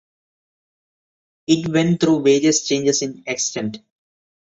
It went through various changes in extent.